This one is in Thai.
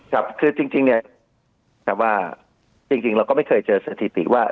ครับคือจริงเนี่ยแต่ว่าจริงเราก็ไม่เคยเจอสถิติว่า